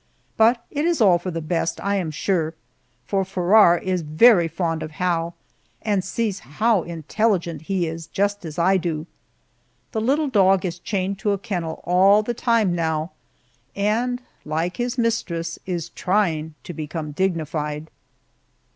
But it is all for the best, I am sure, for Farrar is very fond of Hal, and sees how intelligent he is, just as I do. The little dog is chained to a kennel all the time now, and, like his mistress, is trying to become dignified.